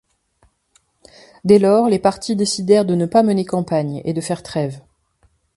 Dès lors, les partis décidèrent de ne pas mener campagne et de faire trêve.